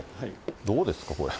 どうですか、これ。